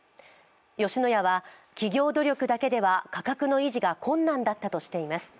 吉野家は企業努力だけでは価格の維持が困難だったとしています。